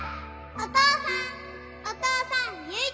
お父さん！